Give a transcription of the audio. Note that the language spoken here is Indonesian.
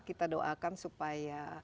kita doakan supaya